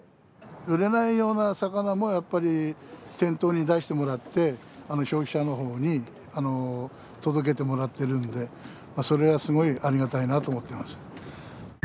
売れないような魚もやっぱり店頭に出してもらって消費者の方に届けてもらってるんでそれはすごいありがたいなと思ってます。